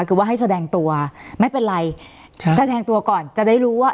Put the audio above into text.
คือว่าให้แสดงตัวไม่เป็นไรแสดงตัวก่อนจะได้รู้ว่า